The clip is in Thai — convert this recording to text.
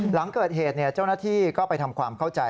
หลังเกิดเหตุเจ้าหน้าที่ก็ไปทำความเข้าใจ